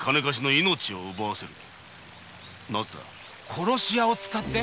殺し屋を使って！？